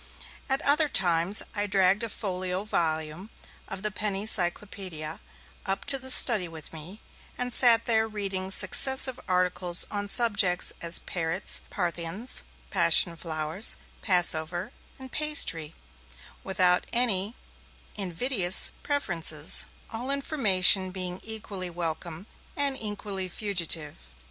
At other times, I dragged a folio volume of the Penny Cyclopaedia up to the study with me, and sat there reading successive articles on such subjects as Parrots, Parthians, Passion flowers, Passover and Pastry, without any invidious preferences, all information being equally welcome, and equally fugitive.